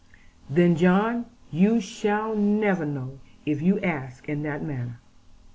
'Then, John, you shall never know, if you ask in that manner.